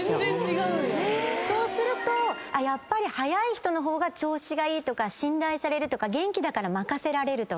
そうするとやっぱり速い人の方が調子がいいとか信頼されるとか元気だから任せられるとか。